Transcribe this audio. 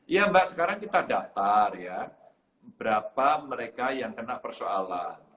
iya mbak sekarang kita daftar ya berapa mereka yang kena persoalan